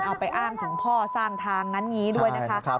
เอาไปอ้างถึงพ่อสร้างทางงั้นงี้ด้วยนะคะ